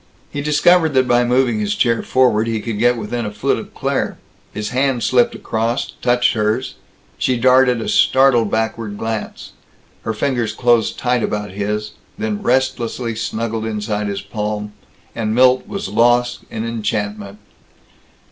He discovered that by moving his chair forward, he could get within a foot of Claire. His hand slipped across, touched hers. She darted a startled backward glance. Her fingers closed tight about his, then restlessly snuggled inside his palm and Milt was lost in enchantment.